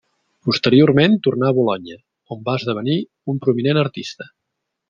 Posteriorment tornà a Bolonya, on va esdevenir un prominent artista.